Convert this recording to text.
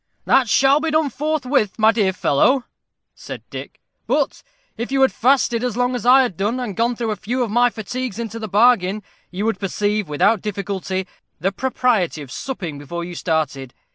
"That shall be done forthwith, my dear fellow," said Dick. "But if you had fasted as long as I have done, and gone through a few of my fatigues into the bargain, you would perceive, without difficulty, the propriety of supping before you started.